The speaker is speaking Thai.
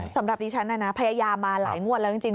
สำหรับดิฉันนะพยายามมาหลายงวดแล้วจริง